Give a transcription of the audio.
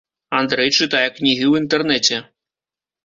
Андрэй чытае кнігі ў інтэрнэце.